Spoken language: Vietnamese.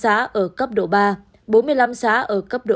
bốn mươi năm xã ở cấp độ hai và một trăm bảy mươi bốn xã ở cấp độ hai